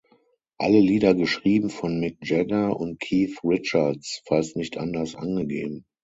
Alle Lieder geschrieben von Mick Jagger und Keith Richards, falls nicht anders angegeben.